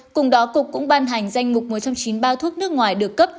cùng đó cục cũng ban hành danh mục một trăm chín mươi ba thuốc nước ngoài được cấp